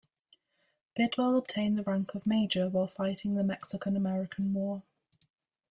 Bidwell obtained the rank of major while fighting in the Mexican-American War.